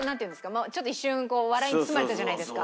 ちょっと一瞬笑いに包まれたじゃないですか。